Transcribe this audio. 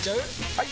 ・はい！